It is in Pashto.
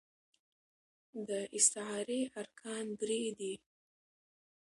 د استعارې ارکان درې دي.